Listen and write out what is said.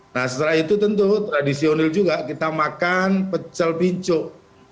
nah setelah itu tentu tradisional juga kita makan pecel pincuk